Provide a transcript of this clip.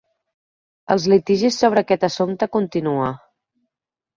Els litigis sobre aquest assumpte continua.